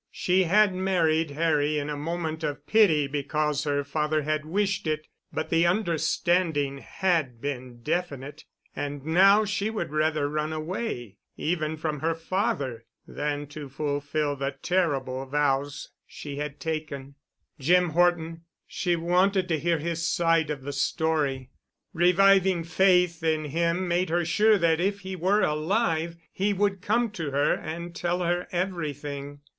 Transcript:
She had married Harry in a moment of pity because her father had wished it, but the understanding had been definite. And now she would rather run away—even from her father—than to fulfill the terrible vows she had taken. Jim Horton—she wanted to hear his side of the story. Reviving faith in him made her sure that if he were alive he would come to her and tell her everything....